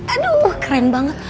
aduh keren banget